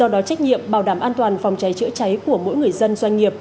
điểm bảo đảm an toàn phòng cháy chữa cháy của mỗi người dân doanh nghiệp